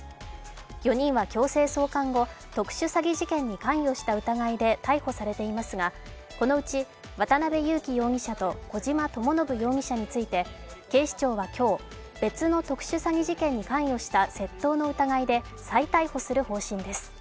４人は強制送還後特殊詐欺事件に関与した疑いで逮捕されていますがこのうち渡辺優樹容疑者と小島智信容疑者について警視庁は今日、別の特殊詐欺に関与した窃盗の疑いで再逮捕する方針です。